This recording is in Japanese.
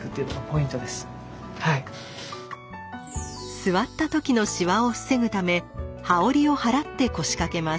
座った時のシワを防ぐため羽織を払って腰掛けます。